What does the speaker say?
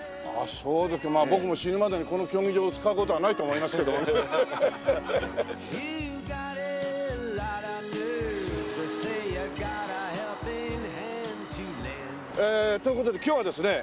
まあ僕も死ぬまでにこの競技場を使う事はないと思いますけども。という事で今日はですね